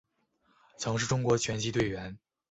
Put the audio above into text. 曾是中国拳击队员。